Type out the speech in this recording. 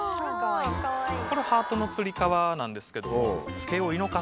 これハートのつり革なんですけど。